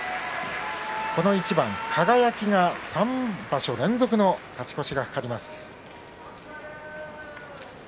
この一番、輝３場所連続の勝ち越しが懸かります。